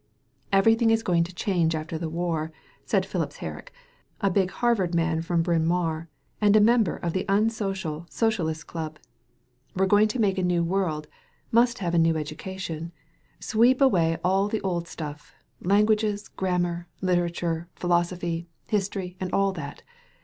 "Everything is going to change after the war," said Phipps Herrick, a big Harvard man from Biyn Mawr and a member of the Unsocial Socialists' 140 THE HEARING EAR Club. '* We are going to make a new world. Must have a new education. Sweep away all the old stuflP — Slanguages, grammar, literature, philosophy, history, and all that.